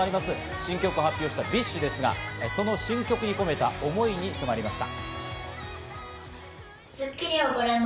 新曲を発表したＢｉＳＨですが、その新曲に込めた思いに迫りました。